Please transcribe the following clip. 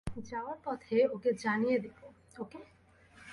যাওয়ার পথে ওকে জানিয়ে দিবো, ওকে?